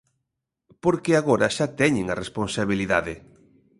Porque agora xa teñen a responsabilidade.